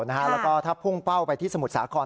แล้วก็ถ้าพุ่งเป้าไปที่สมุทรสาคร